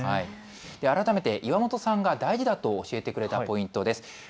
改めて岩本さんが大事だと教えてくれたポイントです。